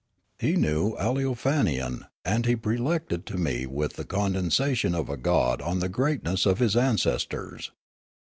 He knew Aleofanian, and he prelected to me with the condescension of a god on the greatness of his ances tors.